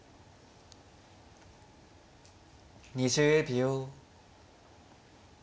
２０秒。